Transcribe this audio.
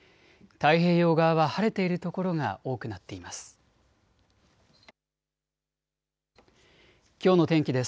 太平洋側は晴れている所が多くなっています。